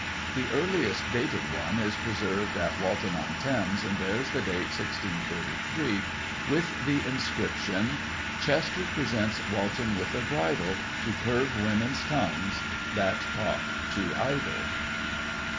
The earliest dated one is pre served at Walton on Thames, and bears the date 1633, with the inscription :Chester presents Walton with a bridle, To curb women's tongues that talk to idle."